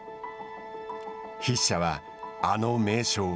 筆者は、あの名将。